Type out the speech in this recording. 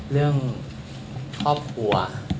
เรื่องครอบครัว